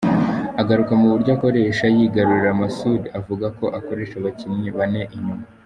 Agaruka mu buryo akoresha yugarira, Masud avuga ko akoresha abakinnyi bane inyuma.